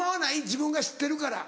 自分が知ってるから。